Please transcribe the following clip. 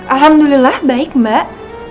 alhamdulillah baik mbak